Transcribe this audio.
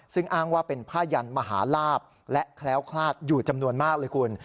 ซึ่งอ้างว่าเป็นผ้ายันมหาลาบและแคล้วคลาดอยู่จำนวนมากเลยคุณ